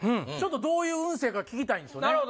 ちょっとどういう運勢か聞きたいんですよね。